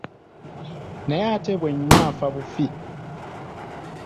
Naye ate bwe nnywa nfa bufi.